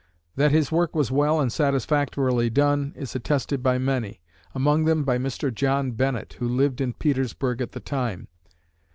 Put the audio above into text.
That his work was well and satisfactorily done is attested by many among them by Mr. John Bennett, who lived in Petersburg at the time.